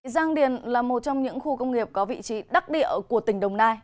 giang điền là một trong những khu công nghiệp có vị trí đắc địa của tỉnh đồng nai